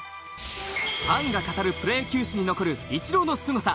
ファンが語るプロ野球史に残るイチローのすごさ。